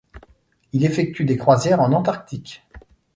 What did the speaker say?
Il effectue des croisières en Antarctique.